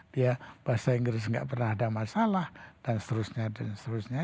dia bahasa inggris gak pernah ada masalah dan seterusnya dan seterusnya